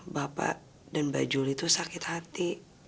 bapak dan mbak julie tuh sakit hati